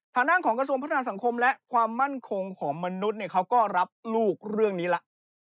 ทางด้านของกระทรวงพัฒนาสังคมและความมั่นคงของมนุษย์เขาก็รับลูกเรื่องนี้ละ